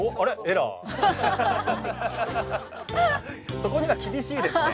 そこには厳しいですね。